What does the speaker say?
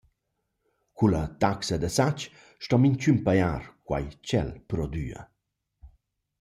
Culla taxa da sach sto minchün pajar quai ch’el prodüa.